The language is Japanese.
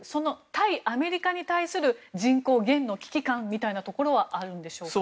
対アメリカに対する人口減の危機感みたいなところはあるんでしょうか。